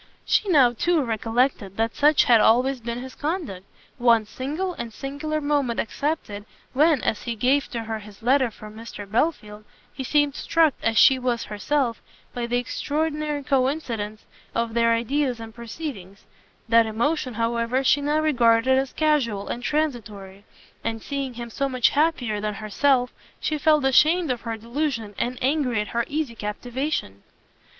She now, too, recollected that such had always been his conduct, one single and singular moment excepted, when, as he gave to her his letter for Mr Belfield, he seemed struck as she was herself by the extraordinary co incidence of their ideas and proceedings: that emotion, however, she now regarded as casual and transitory, and seeing him so much happier than herself, she felt ashamed of her delusion, and angry at her easy captivation.